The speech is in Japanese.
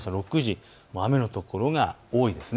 雨の所が多いです。